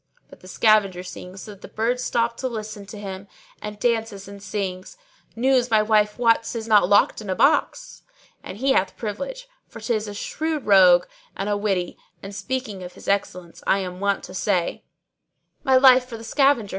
But the scavenger sings so that the birds stop to listen to him and dances and sings, 'News my wife wots is not locked in a box!'[FN#624] And he hath privilege, for 'tis a shrewd rogue[FN#625] and a witty; and speaking of his excellence I am wont to say, My life for the scavenger!